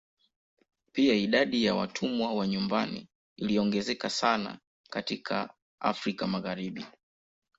Pia idadi ya watumwa wa nyumbani iliongezeka sana katika Afrika Magharibi.